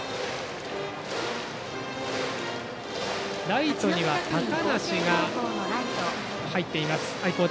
ライトには高梨が入っています